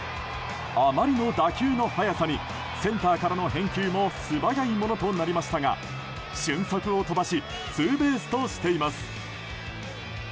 あまりの打球の速さにセンターからの返球も素早いものとなりましたが俊足を飛ばしツーベースとしています。